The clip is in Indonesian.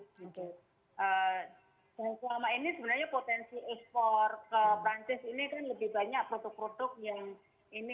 selama ini sebenarnya potensi ekspor ke perancis ini kan lebih banyak produk produk yang ini